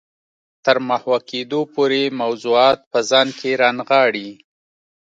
تر محوه کېدو پورې موضوعات په ځان کې رانغاړي.